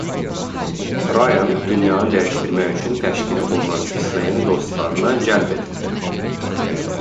Rayan Dünyanı dəyişdirmək üçün təşkil olunan Disneyin Dostlarına cəlb edilir.